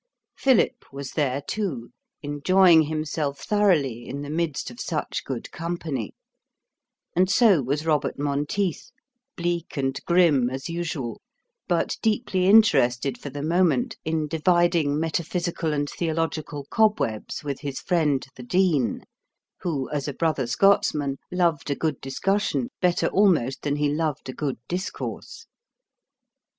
Philip was there, too, enjoying himself thoroughly in the midst of such good company, and so was Robert Monteith, bleak and grim as usual, but deeply interested for the moment in dividing metaphysical and theological cobwebs with his friend the Dean, who as a brother Scotsman loved a good discussion better almost than he loved a good discourse.